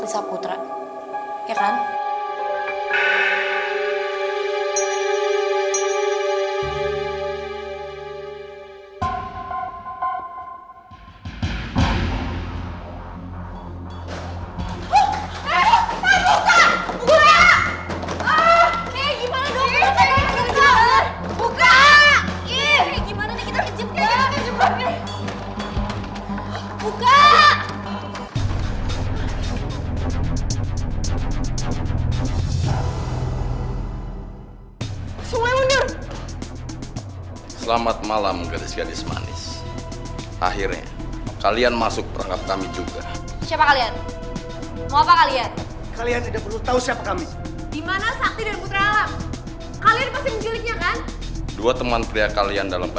sepertinya kita akan berjabat disini lama